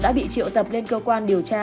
đã bị triệu tập lên cơ quan điều tra